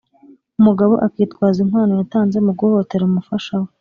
umugabo akitwaza inkwano yatanze mu guhohotera umufasha we,